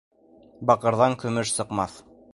Баҡырҙан көмөш сыҡмаҫ